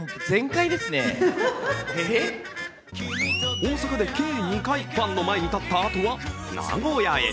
大阪で計２回ファンの前に立ったあとは名古屋へ。